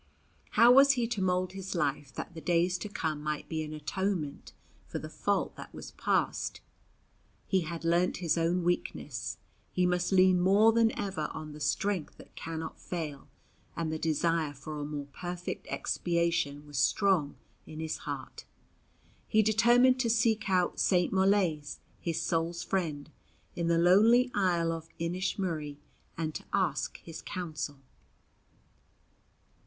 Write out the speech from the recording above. How was he to mould his life that the days to come might be an atonement for the fault that was past? He had learnt his own weakness, he must lean more than ever on the Strength that cannot fail, and the desire for a more perfect expiation was strong in his heart. He determined to seek out St. Molaise, his "soul's friend," in the lonely isle of Inishmurry and to ask his counsel.